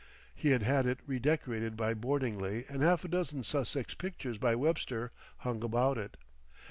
He had had it redecorated by Bordingly and half a dozen Sussex pictures by Webster hung about it.